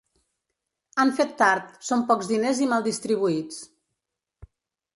Han fet tard, són pocs diners i mal distribuïts.